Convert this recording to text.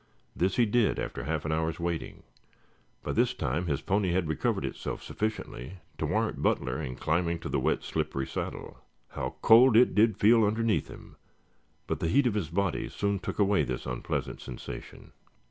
This he did after half an hour's waiting. By that time his pony had recovered itself sufficiently to warrant Butler in climbing to the wet, slippery saddle. How cold it did feel underneath him, but the heat of his body soon took away this unpleasant sensation.